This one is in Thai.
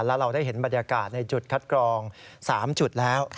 แล้วเราได้เห็นบรรยากาศในจุดคัดกรอง๓จุดแล้ว